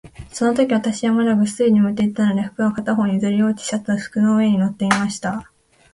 そのとき、私はまだぐっすり眠っていたので、服は片方にずり落ち、シャツは腰の上に載っていました。